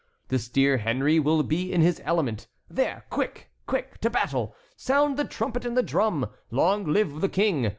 This dear Henry will be in his element; there! quick! quick! to battle! Sound the trumpet and the drum! Long live the king!